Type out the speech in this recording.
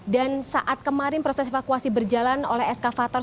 dan saat kemarin proses evakuasi berjalan oleh eskavator